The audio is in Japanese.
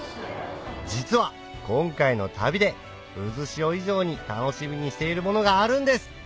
実は今回の旅で渦潮以上に楽しみにしているものがあるんです！